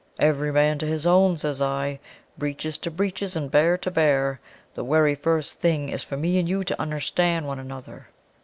Every man to his own, says I; breeches to breeches, and bare to bare. The werry first thing is for me and you to unnerstand one another."